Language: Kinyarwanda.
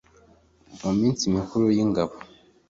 Mu minsi mikuru y'ingando